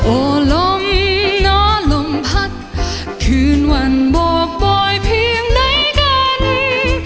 โอ้ลมนอนลมพักคืนวันโบกบ่อยเพียงในกาลิ่ง